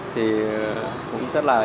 thì cũng rất là